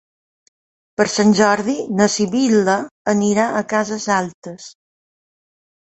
Per Sant Jordi na Sibil·la anirà a Cases Altes.